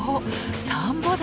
田んぼだ！